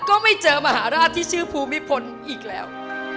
ก็ไม่เจอมหาราชที่ชื่อภูมิพลอีกแล้ว